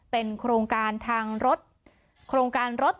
เป็นโครงการทางรถ